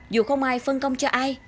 dù không ai phân công cho ai